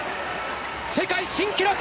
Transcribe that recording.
世界新記録！